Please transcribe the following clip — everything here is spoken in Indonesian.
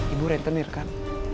ibu rentenir kan